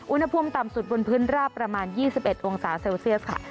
อุณหภูมิต่ำสุดบนพื้นราบประมาณ๒๑องศาเซลเซียสค่ะ